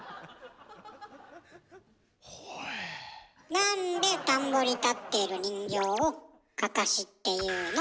なんで田んぼに立っている人形を「かかし」っていうの？